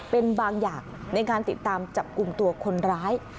เป็นบางอย่างในการติดตามจับกลุ่มตัวคนร้าย